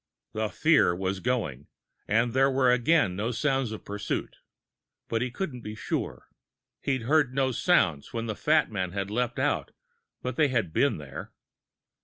The fear was going and there were again no sounds of pursuit. But he couldn't be sure. He'd heard no sounds when the fat man had leaped out, but they had been there.